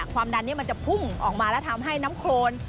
ความดันนี้มันจะพุ่งออกมาแล้วทำให้น้ำโครน